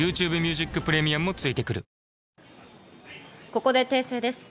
ここで訂正です。